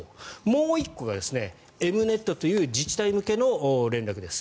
もう１個がＥｍ−Ｎｅｔという自治体向けの連絡です。